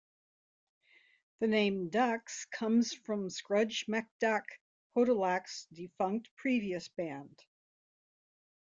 The name "Duhks" comes from Scruj MacDuhk, Podolak's defunct previous band.